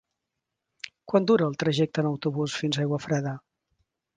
Quant dura el trajecte en autobús fins a Aiguafreda?